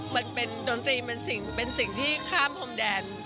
มันเป็นดนตรีเป็นสิ่งที่ข้ามพรมแดน